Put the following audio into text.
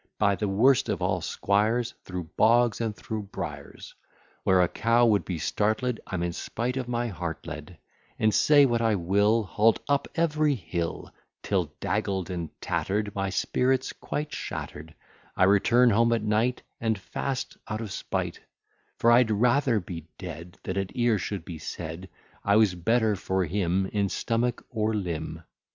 By the worst of all squires, Thro' bogs and thro' briers, Where a cow would be startled, I'm in spite of my heart led; And, say what I will, Haul'd up every hill; Till, daggled and tatter'd, My spirits quite shatter'd, I return home at night, And fast, out of spite: For I'd rather be dead, Than it e'er should be said, I was better for him, In stomach or limb.